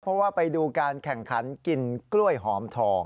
เพราะว่าไปดูการแข่งขันกินกล้วยหอมทอง